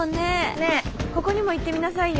ねえここにも行ってみなさいよ。